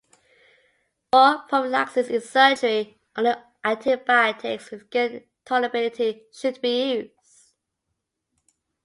For prophylaxis in surgery, only antibiotics with good tolerability should be used.